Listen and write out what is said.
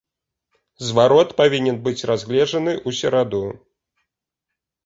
Зварот павінен быць разгледжаны ў сераду.